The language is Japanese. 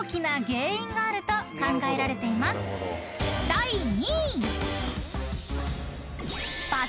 ［第２位］お！